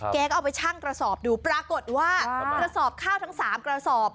แกก็เอาไปชั่งกระสอบดูปรากฏว่ากระสอบข้าวทั้ง๓กระสอบ